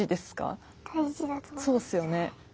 そうっすよね。